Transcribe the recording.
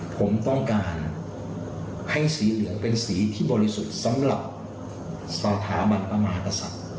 ผมต้องการให้สีเหลืองเป็นสีที่บริสุทธิ์สำหรับสถาบันพระมหากษัตริย์